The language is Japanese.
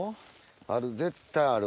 ある絶対ある。